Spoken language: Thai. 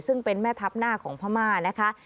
ซึ่งเป็นแม่ทัพหน้าของพม่านะคะ